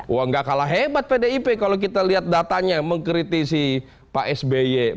wah gak kalah hebat pdip kalau kita lihat datanya mengkritisi pak sby